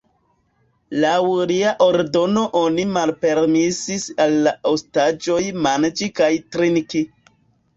Laŭ lia ordono oni malpermesis al la ostaĝoj manĝi kaj trinki.